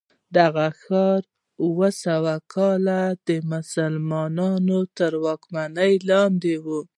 دغه ښار اوه سوه کاله د مسلمانانو تر واکمنۍ لاندې و.